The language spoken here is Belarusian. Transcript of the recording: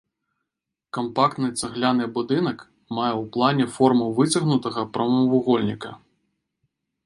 Кампактны цагляны будынак мае ў плане форму выцягнутага прамавугольніка.